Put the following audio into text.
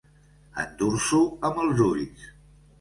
Endur-s'ho amb els ulls.